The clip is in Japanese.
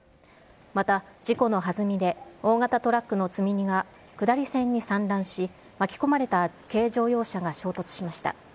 また、事故のはずみで、大型トラックの積み荷が下り線に散乱し、巻き込まれた軽乗用車が衝突しました。